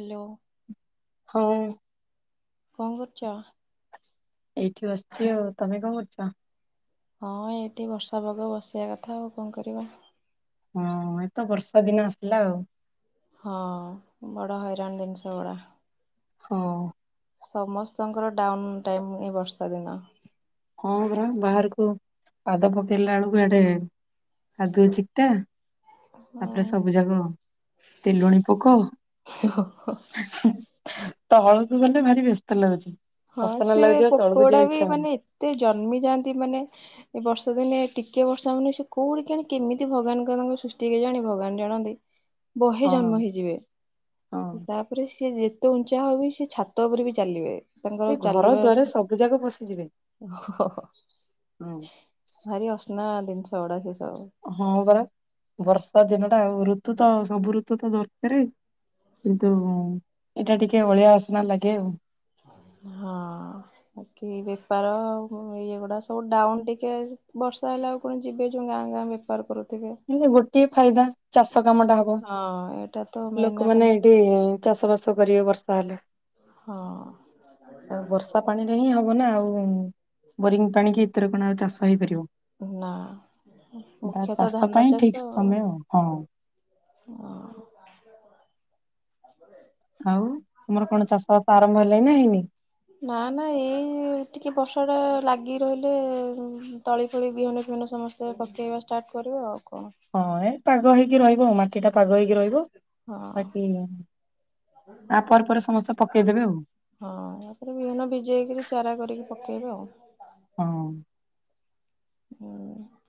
Hello ହଁଉ। କଣ କରୁଛ? ଏଇଠି ବସିଛି ଆଉ ତମେ କଣ କରୁଛ? ହଁ ଏଇଠି ବର୍ଷା ପାଗ ବସିବା କଥା ଆଉ କଣ କରିବା? ହଁ ଏଇତ ବର୍ଷା ଦିନ ଆସିଲା ଆଉ। ହଁ, ବଡ଼ ହଇରାଣ ଜିନିଷ ଗୁଡ଼ା। ହଁ। ସମସ୍ତଙ୍କର ଡାଉନ୍ ଟାଇମ୍ ଏଇ ବର୍ଷା ଦିନ। ହଁ, ପରା ବାହାରକୁ ପାଦ ପକେଇଲା ବେଳକୁ ଏଡେ କାଦୁଅ ଚିକଟା ଆଉ ତାପରେ ସବୁ ଯାକ ତେଲୁଣୀ ପୋକ [unintelligible] ତଳକୁ ଗଲେ ଭାରି ବ୍ୟସ୍ତ ଲାଗୁଛି। ହଁ, ଅସନା ସେ ଲାଗୁଛି ଆଉ ପୋକ ତଳକୁ ଗୁଡା ଯିବାକୁ ବି ଇଚ୍ଛା ହଉନି ମାନେ ଏତେ ଜନ୍ମି ଯାଆନ୍ତି ମାନେ ଏ ବର୍ଷ ଦିନେ ଟିକେ ବର୍ଷା ହଉନି ସେ କୋଉଠି କେଜାଣି କେମିତି ଭଗବାନଙ୍କ ତାଙ୍କ ସୃଷ୍ଟି ହୁଏ ଜାଣେ ଭଗବାନ ଜଣନ୍ତି। ବହେ ହଁ ଜନ୍ମ ହେଇଯିବେ ତା ହଁ। ତାପରେ ସି ଯେତେ ଉଞ୍ଚା ହେବେ ସିଏ ଛାତ ଉପରେ ବି ଚାଲିବେ। ତାଙ୍କର ସେ ଘର ଦ୍ୱାର ସବୁ ଯାକ ପସିଯିବେ। ହ, ହ ଭାରି ଅସନା ଜିନିଷ ଗୁଡା ସେ ସବୁ। ହଁ, ପରା ବର୍ଷା ଦିନ ଟା ଋତୁ ତ ସବୁ ଋତୁ ତ ଦରକାର୍। କିନ୍ତୁ ଏଇଟା ଟିକେ ଅଳିଆ ଆସନା ଲାଗେ ଆଉ। ହଁ, ଅ। ବାକି ବେପାର ଇଏ ଗୁଡା ସବୁ ଡାଉନ ଟିକେ ବର୍ଷା ହେଲା ଆଉ ଆପଣ ଯିବେ ଯୋ ଗାଁ ଗାଁ ବୋର କରୁ କିନ୍ତୁ ଗୋଟିଏ ଫାଇଦା ଚାଷ କାମ ଟା ହବ ହଁ ଏଇଟା ତ ମେନ୍ ଆମେ ଲୋକମାନେ ଚାଷ ବାସ କରିବେ ବର୍ଷା ହେଲା ବର୍ଷା ହଁ ପାଣିରେ ହିଁ ହବ ନା ଆଉ ବୋରିଂ ପାଣି କି ଏତର କଣ ଚାଷ ହେଇପାରିବ ନା ମୁଖ୍ୟତଃ ଚାଷ ଧାନ ପାଇଁ ଠିକ୍ ସମୟ ହଁ ଓ ଆଉ ତମର କଣ ଚାଷ ବାସ ଆରମ୍ଭ ହେଲେଣି ନା ହେଇନି ନା ନା ଏଇ ଟିକେ ବର୍ଷା ଟା ଲାଗି ରହିଲେ ତଳି ଫଳି ବିହନ ଫିହନ ସମସ୍ତେ ପକେଇବା ଷ୍ଟାର୍ଟ କରିବା ଆଉ କଣ ହଁ ଏ ପାଗ ହେଇକି ରହିବ ଆଉ ମାଟି ଟା ପାଗ ହେଇକି ରହିବ ହଁ ବାକି ତା ପରେ ପରେ ସମସ୍ତେ ପକେଇଦେବେ ଆଉ ହଁ ତାପରେ ବିହନ ଭିଜେଇକରି ଚାରା କରିକି ପକେଇବେ ଆଉ ହଁ ହୁଁ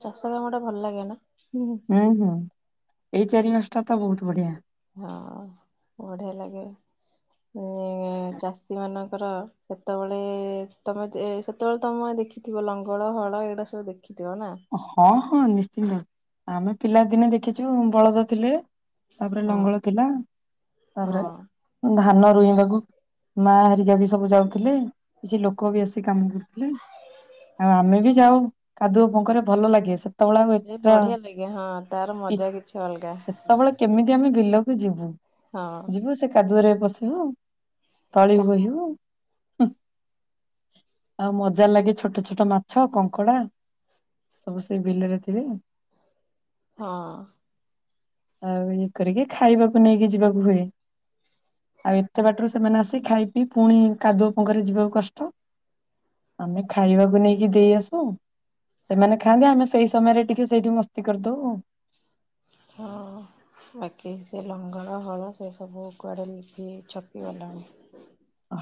ଚାଷ କାମ ଟା ଭଲ ଲାଗେ ନା ହୁଁ ହୁଁ ହୁଁ ଏଇ ଚାରି ମାସଟା ତ ବହୁତ ବଢିଆ ହଁ ବଢିଆ ଲାଗେ ଏ ଚାଷୀ ମାନଙ୍କର ସେତେବେଳେ ତମେ ସେତେବେଳେ ତମେ ଦେଖିଥିବ ଲଙ୍ଗଳ ହଳ ଏଇଗୁଡା ସବୁ ଦେଖିଥିବ ନା ହଁ ହଁ ନିଶ୍ଚିନ୍ତ ଆମେ ପିଲାଦିନେ ଦେଖିଛୁ ବଳଦ ଥିଲେ ତାପରେ ହଁ ଲଙ୍ଗଳ ଥିଲା ତାପରେ ହଁ ଧାନ ରୋଇବାକୁ ମା ହେରିକା ବି ସବୁ ଯାଉଥିଲେ କିଛି ଲୋକ ବି ଆସି କାମ କରୁଥିଲେ ଆଉ ଆମେ ବି ଯାଉ କାଦୁଅ ପଙ୍କରେ ଭଲ ଲାଗେ ସେ ସେ ବଢିଆ ଲାଗେ ହଁ ତାର ମଜା କିଛି ଅଲଗା ସେତେବେଳେ କେମିତି ଆମେ ବିଲକୁ ଯିବୁ ହଁ ସେ କାଦୁଅରେ ପଶିବୁ ତଳି ବୋହି କାମ ହୁ ଆଉ ମଜା ଲାଗେ ଛୋଟ ଛୋଟ ମାଛ କଙ୍କଡା ସବୁ ସେଇ ବିଲରେ ଥିବେ ହଁ ଆଉ ଇଏ କରିକି ଖାଇବାକୁ ନେଇକି ଯିବାକୁ ହୁଏ ଆଉ ଏତେ ବାଟରୁ ସେମାନେ ଆସି ଖାଇ ପିଇ ପୁଣି କାଦୁଅ ପଙ୍କରେ ଯିବାକୁ କଷ୍ଟ ଆମେ ଖାଇବାକୁ ନେଇକି ଦେଇ ଆସୁ ସେମାନେ ଖାଆନ୍ତି ଆମେ ସେଇ ସମୟରେ ଟିକେ ସେଇଠି ମସ୍ତି କରିଦଉ ଆଉ ହଁ ବାକି ସେ ଲଙ୍ଗଳ ହଳ ସେ ସବୁ କୁଆଡ଼େ ଲେଖି ଛପିଗଲାଣି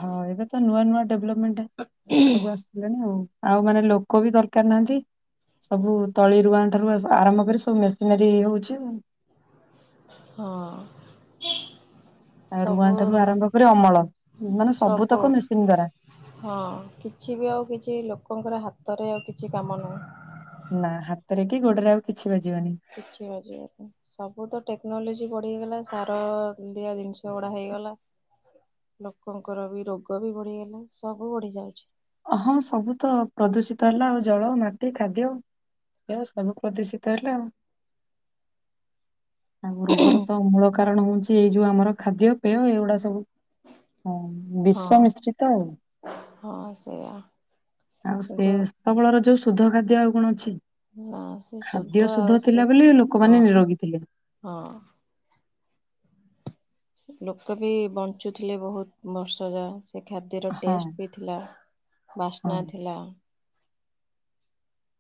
ହଁ ଏବେ ତ ନୂଆ ନୂଆ ଡେଭଲପମେଣ୍ଟ ସବୁ ଆସିିଲାଣି ଆଉ ଆଉ ମାନେ ଲୋକ ବି ଦରକାର ନାହାନ୍ତି ସବୁ ତଳି ରୁଆଣାରୁ ଆରମ୍ଭ କରି ସବୁ ମେସିନାରୀ ହଉଛି ଆଉ ହଁ ଆ ରୁଆ ସବୁ ଠାରୁ ଆରମ୍ଭ କରି ଅମଳ ମାନେ ସବୁ ସବୁତକ ମେସିନ୍ ଦ୍ଵାରା ହଁ କିଛି ବି ଆଉ କିଛି ଲୋକଙ୍କର ହାତରେ ଆଉ କିଛି କାମ ନୁହଁ ନା ହାତରେ କି ଗୋଡରେ ଆଉ କିଛି ବାଜିବନି କିଛି [unintelligible] ପାଇଁ। ସବୁ ତ ଟେକ୍ନୋଲୋଜି ବଢି ହେଇଗଲା ସାର ଦିଆ ଜିନିଷ ଗୁଡା ହେଇଗଲା। ଲୋକଙ୍କର ବି ରୋଗ ବି ବଢିଗଲା ସବୁ ବଢି ଯାଉଛି। ହଁ ସବୁ ତ ପ୍ରଦୂଷିତ ହେଲା ଆଉ ଜଳ ମାଟି ଖାଦ୍ୟ। ଏ ସବୁ ପ୍ରଦୂଷିତ ହେଲା ଆଉ ଆଉ ରୋଗର ତ ମୂଳ କାରଣ ହଉଛି ଏଇ ଯୋଉ ଆମର ଖାଦ୍ୟ ପେୟ ଏଇଗୁଡା ସବୁ ହଁ। ବିଶ୍ୱ ହଁ ମିଶ୍ରିତ ଆଉ ହଁ ସେଇଆ। ଆଉ କିନ୍ତୁ ସେତବଳର ଯୋଉ ଶୁଧ ଖାଦ୍ୟ ଆଉ କଣ ଅଛି? ନା ସେ ଖାଦ୍ୟ ଆଉ ଶୁଦ୍ଧ ସେ ଥିଲା ବୋଲି ହଁ ଲୋକମାନେ ନିରୋଗୀ ଥିଲେ। ହଁ। ଲୋକ ବି ବଞ୍ଚୁଥିଲେ ବହୁତ ବର୍ଷ ଯାଏ। ସେ ଖାଦ୍ୟର ହଁ ଟେଷ୍ଟ ବି ଥିଲା ହଁ। ବାସ୍ନା ଥିଲା।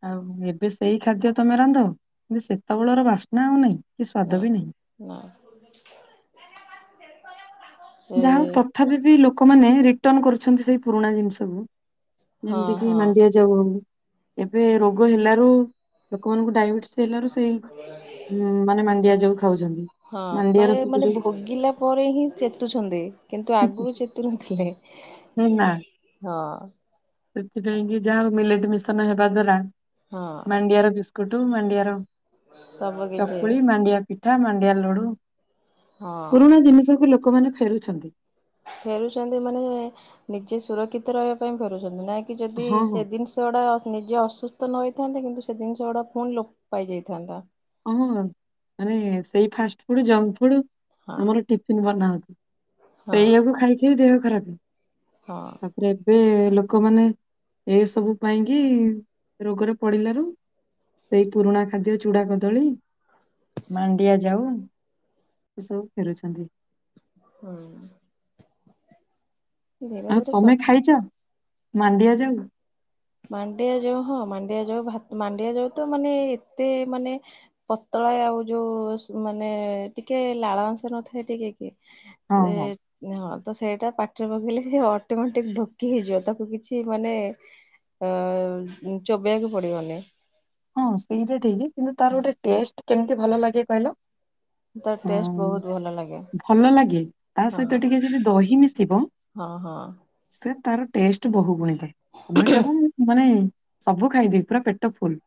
ଆଉ ଏବେ ସେଇ ଖାଦ୍ୟ ତମେ ରାନ୍ଧ କିନ୍ତୁ ସେତେବେଳର ବାସ୍ନା ଆଉ ନାହିଁ କି ନା ସ୍ୱାଦ ବି ନାହିଁ। [unintelligible] ଯାହା ହଉ ତଥାପି ବି ଲୋକମାନେ ରିଟର୍ଣ୍ଣ କରୁଛନ୍ତି ସେଇ ପୁରୁଣା ଜିନିଷକୁ। ହଁ ଯେମିତି କିି ହଁ ମାଣ୍ଡିଆ ଯାଉ ଏବେ ରୋଗ ହେଲାରୁ ଲୋକମାନଙ୍କୁ ଡାଇବେଟିସ୍ ତେଲ ର ସେଇ ମାନେ ମାଣ୍ଡିଆ ଯୋଉ ଖାଉଛନ୍ତି ହଁ ମାନେ ମାଣ୍ଡିଆର ମାନେ ସବୁ ଯୋଉ ଭୋଗିଲା ପରେ ହିଁ ଚେତୁଛନ୍ତି କିନ୍ତୁ ହୁଁ, ଆଗରୁ ଚେତୁନଥିଲେ। [unintelligible] ହଁ। ସେଥିପାଇଁ କି ଯାହା ହୋଉ ମିଲେଟ ମିଶନ ହେବା ଦ୍ଵାରା ହଁ ମାଣ୍ଡିଆର କୁଟୁ ମାଣ୍ଡିଆ ର ସବୁ କିଛି ଚକୁଳି ମାଣ୍ଡିଆ ପିଠା ମାାଣ୍ଡିଆ ଲଡୁ ହଁ ପୁରୁଣା ଜିନିଷ କୁ ଲୋକମାନେ ଫେରୁଛନ୍ତି। ଫେରୁଛନ୍ତି ମାନେ ନିଜେ ସୁରକ୍ଷିତ ରହିବା ପାଇଁ ଫେରୁଛନ୍ତି ନାଇ କି ଯଦି ହଁ ହଁ। ସେ ଜିନିଷ ଗୁଡା ନିଜେ ଅ ସୁସ୍ଥ ନ ହୋଇ ନ ଥାନ୍ତେ କିନ୍ତୁ ସେ ଜିନିଷ ଗୁଡା ପୁଣି ଲୋପ ପାଇ ଯାଇଥାନ୍ତା। ହଁ ମାନେ ସେଇ ଫାଷ୍ଟ ଫୁଡ ଜଙ୍କ ଫୁଡ ହଁ ଆମର ଟିଫନ୍ ବନା ହଁ ସେୟା କୁ ଖାଇକି ଦେହ ଖରାପ। ହଁ। ତାପରେ ଏବେ ଲୋକମାନେ। ଏ ସବୁ ପାଇଁ କିି ରୋଗରେ ପଡିଲାରୁ ସେଇ ପୁରୁଣା ଖାଦ୍ୟ ଚୁଡା କଦଳି ମାଣ୍ଡିଆ ଯାଉ ଏସବୁ ଫେରୁଛନ୍ତି। ଆଉ ତମେ ଖାଇଛ [unintelligible] ମାଣ୍ଡିଆ ଯାଉ? ମାଣ୍ଡିଆ ଯାଉ ହଁ ମାଣ୍ଡିଆ ଯାଉ ମାଣ୍ଡିଆ ଯାଉ ତ ମାନେ ଏତେ ମାନେ ପତଳା ଆଉ ଯୋଉ ମାନେ ଟିକେ ଲାଳ ଅଂଶ ନଥାଏ ଟିକେ ହେଁ ହଁ, ହଁ, ହିଁ ତ ସେଇଟା ପାଟିରେ ପକେଇଲେ ସେ ଅଟୋମେଟିକ ଢୋକି ହେଇଯିବ ତାକୁ କିଛି ମାନେ ଅ ଚୋବେେଇବାକୁ ପଡିବନି। ହଁ ସେଇଟା ଠିକ କିନ୍ତୁ ତାର ଗୋଟେ ଟେଷ୍ଟ କେମିତି ଭଲ ଲାଗେ କହିଲ? ତାର ଟେଷ୍ଟ ହଁ ବହୁତ ଭଲ ଲାଗେ ଭଲ ଲାଗେ ତା ହଁ ସହିତ ଟିକେ ଯଦି ଦହି ମିଶିବ ହଁ ହଁ। ସେ ତାର ଟେଷ୍ଟ ବହୁତ ଗୁଣିତ ତମେ କେବ ମୁ ମାନେ ସବୁ ଖାଇଦେବି ପୁରା ପେଟ ଫୁଲ।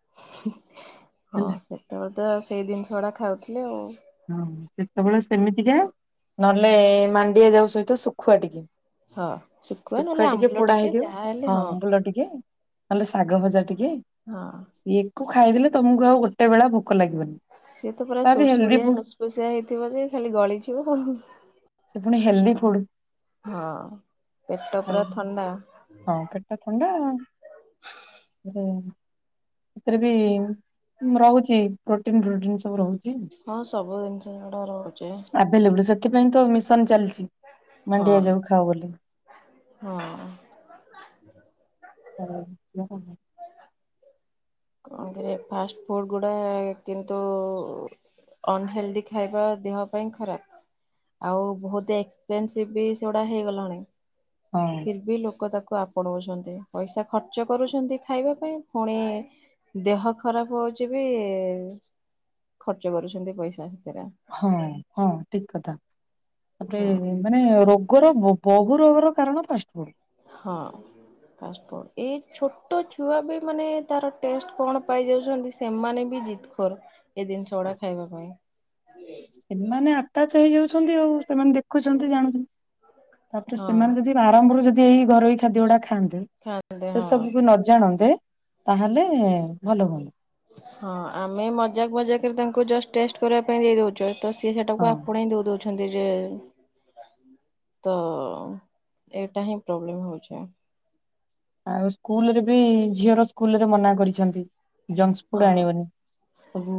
ହଁ ହେଲା ସେତେବେଳେ ତ ସେଇ ଜିନିଷ ଗୁଡା ଖାଉଥିଲେ ଆଉ। ହଁ ସେତେବେଳେ ସେମିତିକା ନହେଲେ ମାଣ୍ଡିଆ ଯାଉ ସହିତ ଶୁଖୁଆ ଟିକେ। ହଁ ନହେଲେ ଶୁଖୁଆ ଟିକେ ଆମ୍ବୁଲ ପୋଡା ହେଇଥିିବ ଯାହା ହେଲେ ହଁ ଆମ୍ୱୁଲ ଟିକେ ଆଲୋ ଶାଗ ଭଜା ଟିକେ। ହଁ। ସେଇକୁ ଖାଇଦେଲେ ତମକୁ ଆଉ ଗୋଟେ ବେଳା ଭୋକ ଲାଗିବନି। ସିଏ ତ ପୁରା ତା ବି ହେଲ୍ଦି ସୁଡସୁଡିଆ ଫୁଡ ଲସପୁସିଆ ହେଇଥିବ ଯେ ଖାଲି ଗଳିଯିବ। ସେ ପୁଣି ହେଲ୍ଦି ଫୁଡ ହଁ ପେଟ ଆଉ ପୁରା ଥଣ୍ଡା। ହଁ ପେଟ ଥଣ୍ଡା। ଏଥିରେ ବି ରହୁଛି ପ୍ରୋଟିନ ଫ୍ରୋଟିନ ସବୁ ରହୁଛି। ହଁ ସବୁ ଜିନିଷ ସେଡା ରହୁଛି। ଆଭେଲେବୁଲ ସେଥିପାଇଁ ତ ମିଶନ ଚାଲିଛି ହଁ ମାଣ୍ଡିଆ ଯାଉ ଖାବୋଲି। ହଁ। ହଉ। କଣ କରିରେ ଫାଷ୍ଟ ଫୁଡ ଗୁଡା କିନ୍ତୁ ଅନହେଲ୍ଦି ଖାଇବା ଦେହ ପାଇଁ ଖରାପ। ଆଉ ବହୁତ ଏକ୍ସପେନସିଭ ବି ସେଗୁଡ଼ା ହେଇଗଲାଣି। ହଁ। ଫିର୍ ବି ଲୋକ ତାକୁ ଆପଣଉଛନ୍ତି ପଇସା ଖର୍ଚ୍ଚ କରୁଛନ୍ତି ଖାଇବା ପାଇଁ ପୁଣି ଦେହ ଖରାପ ହଉଛି ବି ଖର୍ଚ୍ଚ କରୁଛନ୍ତି ପଇସା ସେଥିରେ ହଁ ହଁ ଠିକ କଥା ତାପରେ ହଁ ମାନେ ରୋଗର ବହୁ ରୋଗର କାରଣ ଫାଷ୍ଟ ଫୁଡ। ହଁ। ଫାଷ୍ଟଫୁଡ଼୍ ଏଇ ଛୋଟ ଛୁଆ ବି ମାନେ ତାର ଟେଷ୍ଟ କଣ ପାଇଯାଉଛନ୍ତି ସେମାନେ ବି ଜିତ ଖୋର ଏଇ ଜିନିଷଗୁଡା ଖାଇବା ପାଇଁ। ସେମାନେ ଆଟାଚ ହେଇଯାଉଛନ୍ତି ଆଉ ସେମାନେ ଦେଖୁଛନ୍ତି ଜାଣୁଛନ୍ତି ତାପରେ ହଁ ସେମାନେ ଯଦି ଆରମ୍ଭରୁ ଯଦି ଏଇ ଘରୋଇ ଖାଦ୍ୟ ଗୁଡା ଖାଆନ୍ତେ ଖାଆନ୍ତେ ସେ ହଁ। ସବୁ ବି ନ ଜାଣନ୍ତେ ତାହେଲେ ଭଲ ହୁଅ ହଁ ଆମେ ମଜାକ ମଜାକ ରେ ତାଙ୍କୁ ଜଷ୍ଟ ଟେଷ୍ଟ କରିବା ପାଇଁ ଦେଇ ଦଉଛୁ ତ ସି ସେଟାକୁ ଆପଣ ହଁ ଦେଇ ଦଉଛୁ ଅଛନ୍ତି ଯେ ତ ଏଇଟା ହିଁ ପ୍ରୋବ୍ଲେମ ହଉଛି। ଆଉ ସ୍କୁଲରେ ବି ଝିଅର ସ୍କୁଲରେ ମନା କରିଛନ୍ତି ଯଂକ୍ସ ଫୁଡ ଆଣିବନି। ସବୁ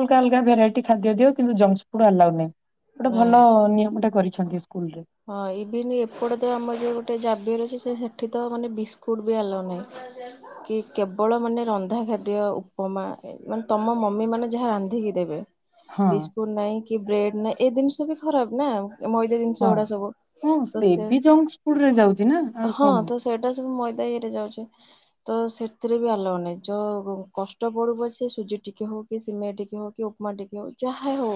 ଅଲଗା ଅଲଗା ଭେରାଇଟି ଖାଦ୍ୟ ଦିଅ କିନ୍ତୁ ଜଙ୍କସ ଫୁଡ ଆଲାଉ ନାହିଁ। ଗୋଟେ ନାଇଁ ଭଲ ନିୟମ ଟେ କରିଛନ୍ତି ସ୍କୁଲରେ। ହଁ ଇଭିନି ଏପଟେ ତ ଆମର ଯୋଉ ଗୋଟେ ଜାବିଅର ଅଛି ସେଠି ତ ମାନେ ବିସ୍କୁଟ ବି ଆଲାଉ ନାହିଁ। କି କେବଳ ମାନେ ରନ୍ଧା ଖାଦ୍ୟ ଉପମା ମାନେ ତମ ମମି ମାନେ ଯାହା ରାନ୍ଧିକି ଦେବେ। ହଁ ବିସ୍କୁଟ ନହିଁ କି ବ୍ରେଡ ନାହିଁ ଏ ଜିନିଷ ବି ଖରାପ ନା ମଇଦା ହଁ। ଜିନିଷ ଗୁଡା ସବୁ ହଁ ସେ ତସେ ବି ଜଙ୍କସ୍ ଫୁଡ୍ ରେ ଯାଉଛି ନା ଆଉ ହଁ କଣ ତ ସେଇଟା ସବୁ ମଇଦା ଇଏରେ ଯାଉଛି। ତ ସେଥିରେ ବି ଆଲାଉ ନାହିଁ ଯ କଷ୍ଟ ପଡୁ ପଛେ ସୁଜି ଟିକେ ହଉ କି ସିମେଇ ଟିକେ ହଉ କି ଉପମା ଟିକେ ହଉ ଯାହା ହଉ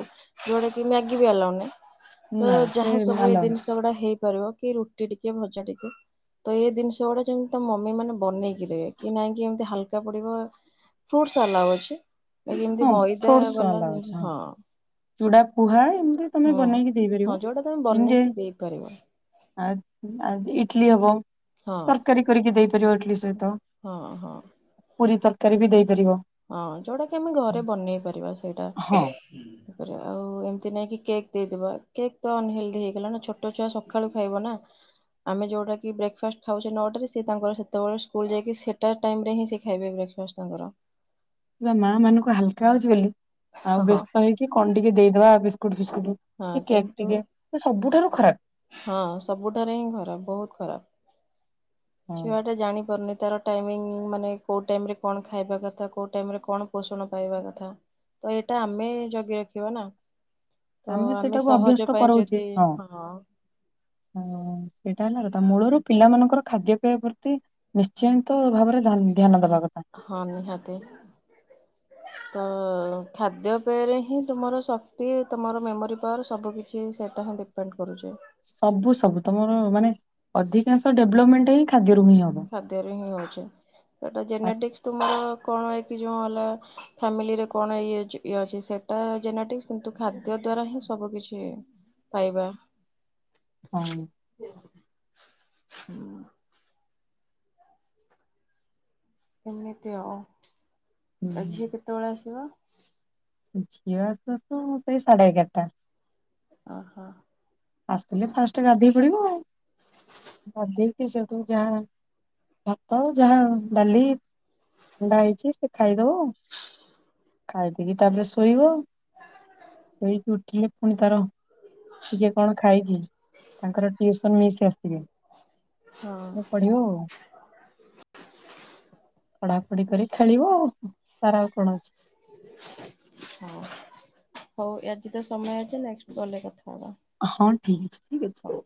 ଯୋଉଡା କି ମ୍ୟାଗି ବି ଆଲାଓ ନାହିଁ। ତ ନା ସେ ଯାହା ସବୁ ଏଇ ଆଲାଉ ନାହିଁ ଜିନିଷ ଗୁଡା ହେଇପାରିବ କି ରୁଟି ଟିକେ ଭଜା ଟିକେ। ତ ଏଇ ଜିନିଷ ଗୁଡା ଯେମିତି ତମ ମମି ମାନେ ବନେଇକି ଦେବେ କି ନାଇଁ କି ଏମିତି ହାଲକା ପଡିବ ଫ୍ରୁଟସ ଆଲାଉ ଅଛି ଏମିତି ହଁ ମଇଦା ଫ୍ରୁଟ୍ସ ବାଲା ଆଲାଉ ଅଛି ନୁହୁଁ ହଁ ଚୁଡା ପୁହା ଏମିତି ତମେ ବନେଇକି ଦେଇପାରିବ ଏମିତି କି ଦେଇପାରିବ। ଆ ଆଜି ଇଟଲି ହବ ହଁ ତରକାରୀ କରିକି ଦେଇପାରିବ ଆଟଲିଷ୍ଟ। ହଁ ହଁ। ପୁରୀ ତରକାରୀ ବି ଦେଇପାରିବ। ହଁ ଯୋଉଟା କି ଆମେ ଘରେ ବନେଇ ପାରିବା ସେଇଟା ହଁ ତାପରେ ଆଉ ଏମିତି ନାହିଁ କି କେକ୍ ଦେଇଦବା କେକ୍ ତ ଅନହେଲଥି ହେଇଗଲା ନା ଛୋଟ ଛୁଆ ସକାଳୁ ଖାଇବ ନା? ଆମେ ଯଉଁଟାକି ବ୍ରେକଫାଷ୍ଟ ଖାଉଛେ ନ ଟାରେ ସେ ତାଙ୍କର ସେତେବେଳେ ସ୍କୁଲ ଯାଇକି ସେଟା ଟାଇମରେ ହିଁ ସେ ଖାଇବେ ବ୍ରେକଫାଷ୍ଟ। ବ୍ରେକଫାଷ୍ଟ ତାଙ୍କର। ମାଁ ମାନଙ୍କୁ ହାଲକା ହଉଛି ବୋଲି ଆଉ ହଁ ହଁ ବ୍ୟସ୍ତ ହେଇକି କଣ ଟିକେ ଦେଇଦବା ବିସ୍କୁଟ ଫିସ୍କୁଟ। ହଁ କି କେକ୍ କିନ୍ତୁ ଟିକେ ସେ ସବୁଠାରୁ ଖରାପ। ହଁ ସବୁଠାରେ ହିଁ ଖରାପ ବହୁତ ଖରାପ ହଁ ଛୁଆଟା ଜାଣି ପାରୁନି ତାର। ଟାଇମିଙ୍ଗ ମାନେ କୋଉ ଟାଇମରେ କଣ ଖାଇବା କଥା, କୋଉ ଟାଇମ ରେ କଣ ପୋଷଣ ପାଇବା କଥା ତ ଏଇଟା ଆମେ ଜଗି ରଖିବା ନା? ତ ଆମେ ସେଇଟାକୁ ସହଜ ଅଭ୍ୟସ୍ତ ପାଇଁ ଯଦି ହଁ। ଓ ସେଇଟା ହେଲାର ତା ମୂଳରୁ ପିଲାମାନଙ୍କର ଖାଦ୍ୟ ପେୟ ପ୍ରତି ନିଶ୍ଚିନ୍ତ ଭାବରେ ଧ୍ୟା ଧ୍ୟାନ ଦବା କଥା। ହଁ ନିହାତି। ତ ଖାଦ୍ୟପେୟରେ ହିଁ ତୁମର ଶକ୍ତି ତୁମର ମେମୋରି ପାୱାର ସବୁ କିଛି ସେଇଟା ହିଁ ଡିପେଣ୍ଡ [unintelligible] ଡିପେଣ୍ଡ କରୁଛି। ସବୁ ସବୁ ତମର ମାନେ ଅଧିକାଂଶ ଡେଭଲପମେଣ୍ଟ ହିଁ ଖାଦ୍ୟରୁ ହିଁ ହବ। ଖାଦ୍ୟରେ ହିଁ ହଉଛି। ସେଇଟା ଆ ଜେନେଟିକ୍ସ ତୁମର କଣ ଏଇକି ଯୋଉଁ ହେଲା ଫ୍ୟାମିଲିରେ କଣ ଇଏ ଇଏ ଅଛି ସେଟା ସେଟା ଜେନେଟିକସ କିନ୍ତୁ ଖାଦ୍ୟ ଦ୍ଵାରା ହିଁ ସବୁ କିଛି ପାଇବା। ହଁ [unintelligible] ହୁଁ ଏମିତି ଆଉ ଆ ଝିଅ କେତେବେଳେ ଆସିବ? ଝିଅ ଆସୁ ସେଇ ସାଢେ ଏଗାରଟା। ଅହ ଆସିଥିଲେ ଫାଷ୍ଟ ଗାଧେଇ ପଡିବ। ସେହିଠୁ ଯାହା ଭାତ ଯାହା ଡାଲି ଅଣ୍ଡା ହେଇଛି ସେ ଖାଇଦବ। ଖାଇଦେଇକି ତାପରେ ଶୋଇବ ଶୋଇକି ଉଠିଲେ ପୁଣି ତାର ଟିକେ [unintelligible] କଣ ଖାଇକି ତାଙ୍କର ଟିଉସନ ମିସ୍ ଆସିବେ ହଁ ସେ ପଢିବ ଆଉ। ପଢାପଢି କରି ଖେଳିବ ଆଉ ତାର ଆଉ କଣ ଅଛି। ହଁ ହଉ ଆଜି ତ ସମୟ ହେଇଯାଇଛି ନେକ୍ସଟ୍ କଲ୍ ରେ କଥା ହବା। ହଁ ଠିକ୍ ଅଛି ଠିକ ହଉ। ଅଛି।